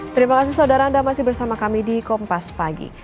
terima kasih saudara anda masih bersama kami di kompas pagi